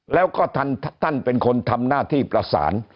แล้วก็ท่านเป็นคนทำหน้าที่ประสาน